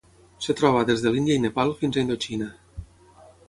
Es troba des de l'Índia i Nepal fins a Indoxina.